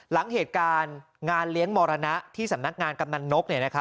หลังเหตุการณ์งานเลี้ยงมรณะที่สำนักงานกำนันนก